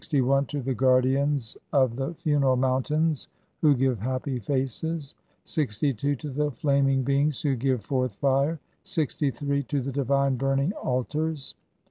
61. to the Guardians of the funeral mountains who give happy faces (?), 62. to the Flaming beings who give forth fire, 63. to the divine burning Altars, 64.